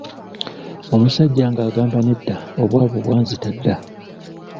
Omusajja ng’agamba nedda obwavu bwanzita dda.